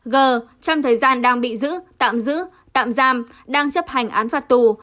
g trong thời gian đang bị giữ tạm giữ tạm giam đang chấp hành án phạt tù